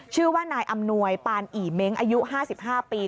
ชื่อว่านายอำนวยปานอีเม้งอายุ๕๕ปี